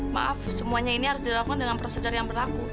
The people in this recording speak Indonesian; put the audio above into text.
maaf semuanya ini harus dilakukan dengan prosedur yang berlaku